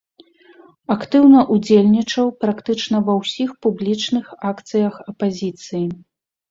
Актыўна ўдзельнічаў практычна ва ўсіх публічных акцыях апазіцыі.